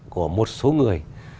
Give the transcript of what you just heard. của một số người